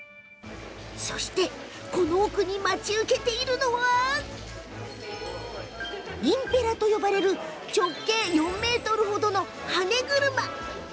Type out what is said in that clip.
この奥に待ち受けているのはインペラと呼ばれる直径４ｍほどの羽根車。